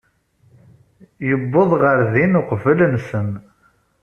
Yuweḍ ɣer din uqbel-nsen.